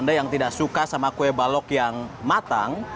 anda yang tidak suka sama kue balok yang matang